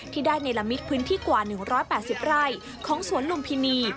ที่ได้ในละมิตพื้นที่กว่า๑๘๐ไร่ของสวนลุมพินี